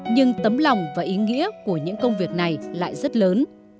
nhưng tấm lòng và ý nghĩa của những công việc này lại rất lớn